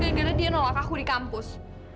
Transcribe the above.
gak ada dia nolak aku di kampus